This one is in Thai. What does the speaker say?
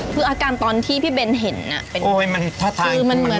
คืออาการตอนที่พี่เบนเห็นอะโอ้ยมันท่าทางมันไม่รอดแล้วแหละ